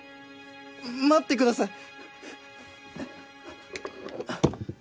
待ってください！